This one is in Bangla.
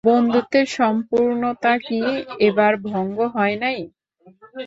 বন্ধুত্বের সম্পূর্ণতা কি এবার ভঙ্গ হয় নাই?